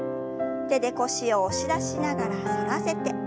手で腰を押し出しながら反らせて。